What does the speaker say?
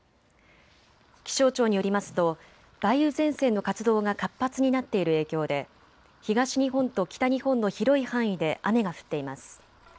気象庁によりますと梅雨前線の活動が活発になっている影響で東日本と北日本の広い範囲で雨が降っています。